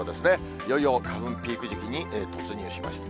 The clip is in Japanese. いよいよ花粉ピーク時期に突入しました。